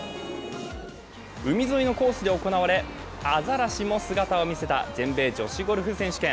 海沿いのコースで行われ、アザラシも姿を見せた全米女子ゴルフ選手権。